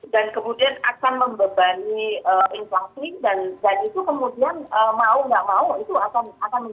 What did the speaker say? dan kemudian akan membebani inflasi dan itu kemudian mau nggak mau itu akan menjadi beban apbn lagi